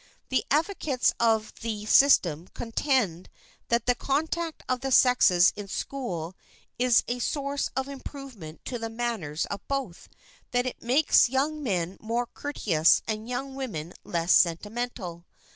The advocates of the system contend that the contact of the sexes in school is a source of improvement to the manners of both, that it makes young men more courteous and young women less sentimental.